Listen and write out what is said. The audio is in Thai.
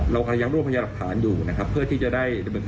ว่าจริงแล้วสังเกตทั้งนี้เกิดจากอะไรกันแน่